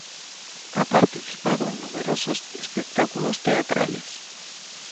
Ha participado en numerosos espectáculos teatrales.